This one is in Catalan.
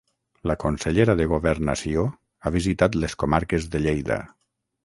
La consellera de Governació ha visitat les comarques de Lleida.